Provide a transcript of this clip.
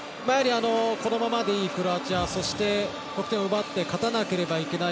このままでいいクロアチアそして、得点を奪って勝たなければいけない